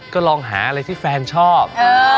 ก็ลองหาอะไรที่แฟนชอบ